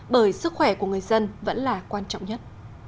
bởi sức khỏe của người dân vẫn là quan trọng nhất